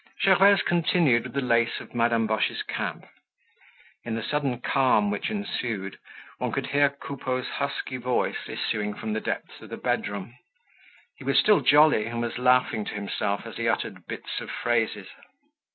Gervaise continued with the lace of Madame Boche's cap. In the sudden calm which ensued, one could hear Coupeau's husky voice issuing from the depths of the bedroom. He was still jolly, and was laughing to himself as he uttered bits of phrases.